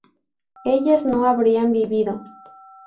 ellas no habrían vivido